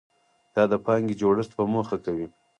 دا د پانګې جوړښت په موخه کوي.